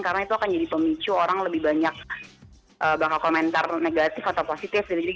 karena itu akan jadi pemicu orang lebih banyak bakal komentar negatif atau positif